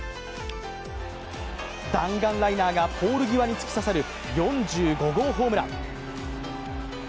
弾丸ライナーがポール際に突き刺さる４５号ホームラン。